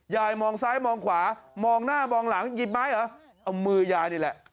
มองซ้ายมองขวามองหน้ามองหลังหยิบไม้เหรอเอามือยายนี่แหละ